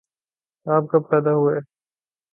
آپ کب پیدا ہوئے